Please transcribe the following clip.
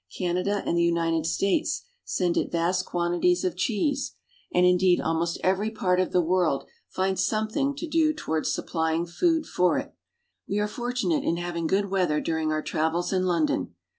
Canada and the United States send it vast quantities of cheese, and LONDON. 69 indeed almost every part of the world finds something to do towards supplying food for it. We are fortunate in having good weather during our travels in London.